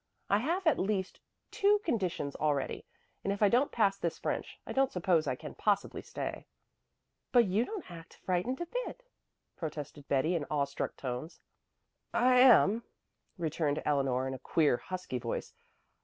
I have at least two conditions already, and if I don't pass this French I don't suppose I can possibly stay." "But you don't act frightened a bit," protested Betty in awestruck tones. "I am," returned Eleanor in a queer, husky voice.